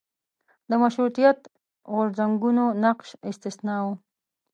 د مشروطیت غورځنګونو نقش استثنا و.